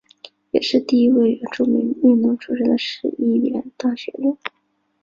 也是第一位原住民运动出身的市议员当选人。